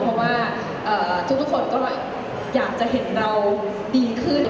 เพราะว่าทุกคนก็อยากจะเห็นเราดีขึ้น